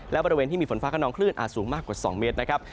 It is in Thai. และบริเวณที่มีฝนฟ้าขนองคลื่นอาจสูงมากกว่า๒เมตรนะครับ